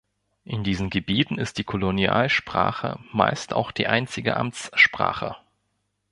In diesen Gebieten ist die Kolonialsprache meist auch die einzige Amtssprache.